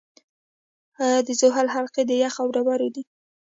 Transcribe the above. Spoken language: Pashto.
د زحل حلقې د یخ او ډبرو دي.